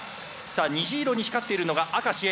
虹色に光っているのが明石Ａ。